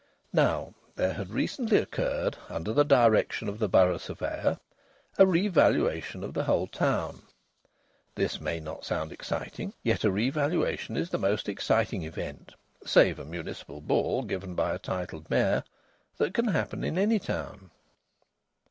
Now there had recently occurred, under the direction of the Borough Surveyor, a revaluation of the whole town. This may not sound exciting; yet a revaluation is the most exciting event (save a municipal ball given by a titled mayor) that can happen in any town.